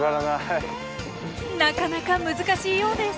なかなか難しいようです。